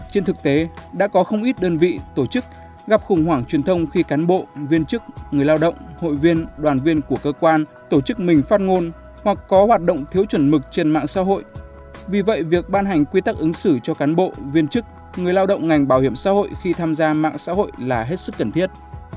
trên thực tế đã có không ít đơn vị tổ chức gặp khủng hoảng truyền thông khi cán bộ viên chức người lao động hội viên đoàn viên của cơ quan tổ chức mình phát ngôn hoặc có hoạt động thiếu chuẩn mực trên mạng xã hội vì vậy việc ban hành quy tắc ứng xử cho cán bộ viên chức người lao động ngành bảo hiểm xã hội khi tham gia mạng xã hội là hết sức cần thiết